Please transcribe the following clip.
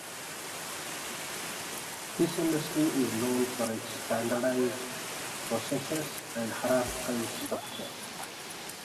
This industry is known for its standardized processes and hierarchical structure.